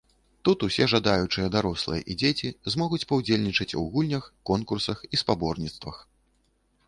Тут усе жадаючыя дарослыя і дзеці змогуць паўдзельнічаць у гульнях, конкурсах і спаборніцтвах.